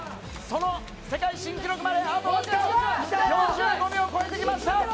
その世界新記録まであと４５秒を超えてきました。